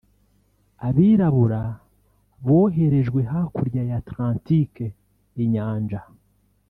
Abirabura boherejwe hakurya ya Atlantique (inyanja)